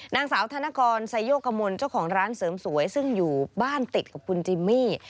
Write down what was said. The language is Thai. นางสาวธนกรไซโยกมลเจ้าของร้านเสริมสวยซึ่งอยู่บ้านติดกับคุณจิมมี่